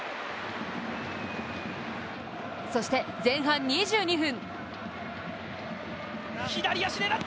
そして、前半２２分。